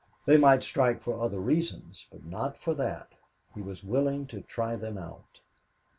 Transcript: They might strike for other reasons, but not for that. He was willing to try them out.